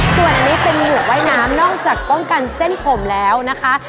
ส่วนนี้เป็นหมวกว่ายน้ำนอกจากป้องกันเส้นผมแล้วนะคะ